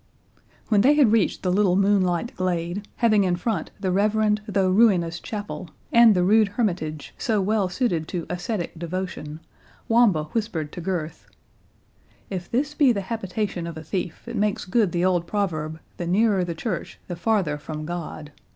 When they had reached the little moonlight glade, having in front the reverend, though ruinous chapel, and the rude hermitage, so well suited to ascetic devotion, Wamba whispered to Gurth, "If this be the habitation of a thief, it makes good the old proverb, The nearer the church the farther from God.